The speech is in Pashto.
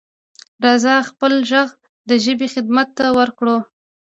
راځه خپل غږ د ژبې خدمت ته ورکړو.